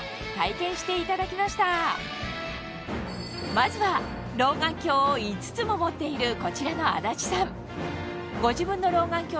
まずは老眼鏡を５つも持っているこちらの安達さん